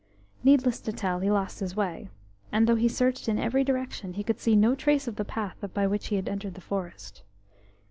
Needless to tell, he lost his way, and though he searched in every direction, he could see no trace of the path by which he had entered the forest.